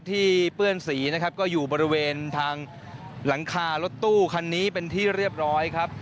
เปื้อนสีนะครับก็อยู่บริเวณทางหลังคารถตู้คันนี้เป็นที่เรียบร้อยครับ